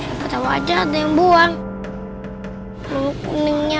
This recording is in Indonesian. apa apa aja ada yang buang bambu kuningnya